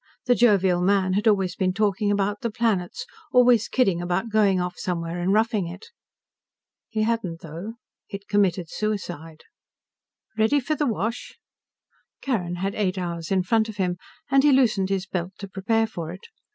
The jovial man had always been talking about the planets, always kidding about going off somewhere and roughing it. He hadn't, though. He'd committed suicide. "Ready for the wash." Carrin had eight hours in front of him, and he loosened his belt to prepare for it.